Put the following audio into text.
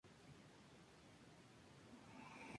En Nicaragua se denomina comúnmente "lluvia de oro".